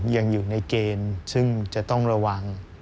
ยังอยู่ในเกณฑ์ซึ่งจะต้องระวัง